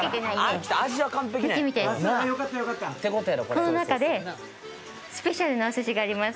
この中でスペシャルなお寿司があります